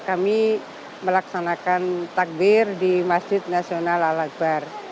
kami melaksanakan takbir di masjid nasional al akbar